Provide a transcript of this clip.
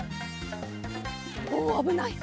おあぶない。